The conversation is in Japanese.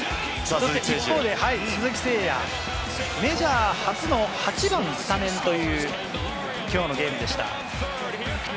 そして鈴木誠也、メジャー初の８番スタメンという、きょうのゲームでした。